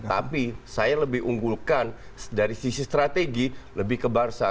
tapi saya lebih unggulkan dari sisi strategi lebih ke barca